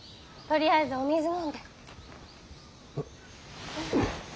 とりあえずお水飲んで。